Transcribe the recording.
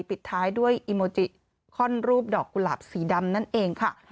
ปิดท้ายด้วยอิโมจิคอนรูปดอกกุหลาบสีดำนั่นเองค่ะ